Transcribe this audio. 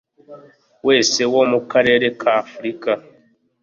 wese wo mu karere k Afurika